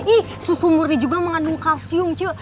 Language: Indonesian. ih susumuri juga mengandung kalsium cu